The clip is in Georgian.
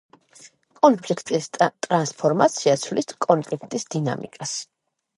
კონფლიქტის ტრანსფორმაცია ცვლის კონფლიქტის დინამიკას.